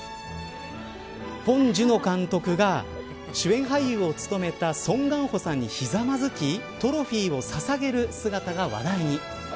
ポン・ジュノ監督が主演俳優を務めたソン・ガンホさんにひざまづきトロフィーをささげる姿が話題に。